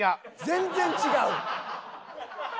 全然違う！